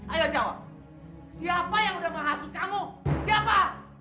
ayo jawab siapa yang sudah menghasut kamu siapa